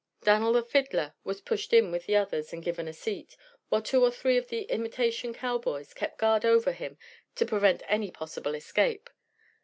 Dan'l the fiddler was pushed in with the others and given a seat, while two or three of the imitation cowboys kept guard over him to prevent any possible escape.